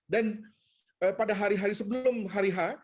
dan pada hari hari sebelum hari h